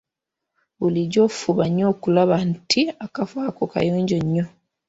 Bulijjo fuba nnyo okulaba nti akafo ako kayonjo nnyo.